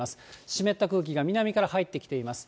湿った空気が南から入ってきています。